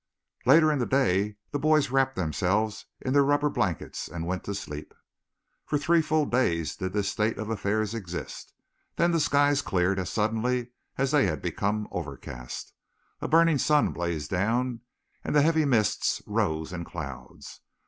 Later in the day the boys wrapped themselves in their rubber blankets and went to sleep. For three full days did this state of affairs exist. Then the skies cleared as suddenly as they had become overcast. A burning sun blazed down, and the heavy mists rose in clouds.